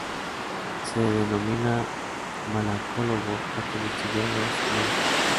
Se denomina malacólogo a quien estudia los moluscos.